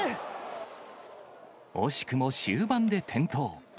惜しくも終盤で転倒。